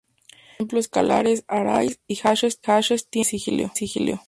Por ejemplo, escalares, "arrays" y "hashes" tienen diferente sigilo.